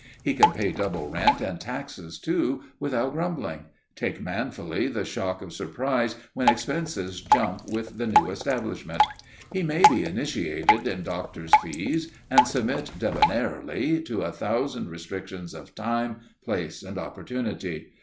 He can pay double rent and taxes, too, without grumbling; take manfully the shock of surprise when expenses jump with the new establishment; he may be initiated in doctors' fees, and submit debonairly to a thousand restrictions of time, place and opportunity.